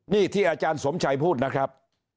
นี่ที่อาจารย์สมชัยพูดนะครับ